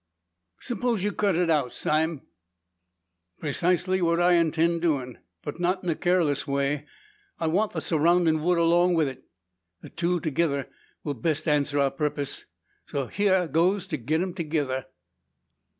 "Suppose you cut it out, Sime?" "Precisely what I intend doin'. But not in a careless way. I want the surroundin' wood along wi' it. The two thegither will best answer our purpiss. So hyar goes to git 'em thegither."